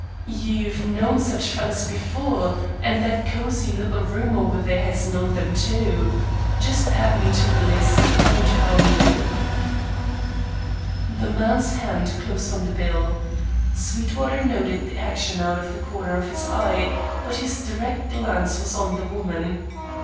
You've known such fellers before, and that cosey, little room over there has known them, too. Just add me to the list; it won't harm you." The man's hand closed on the bill. Sweetwater noted the action out of the corner of his eye, but his direct glance was on the woman.